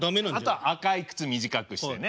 あと「赤い靴」短くしてね。